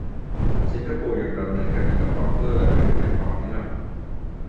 สิงคโปร์ยังดำเนินคดีกับบล็อกเกอร์และวัยรุ่นอย่างต่อเนื่อง